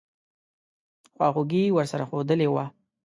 خواخوږي ورسره ښودلې وه.